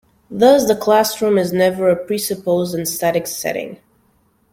Thus the classroom is never a presupposed and static setting.